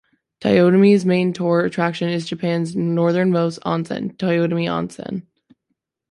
Toyotomi's main tourist attraction is Japan's northernmost onsen, Toyotomi Onsen.